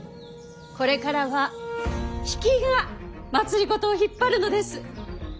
これからは比企が政を引っ張るのです。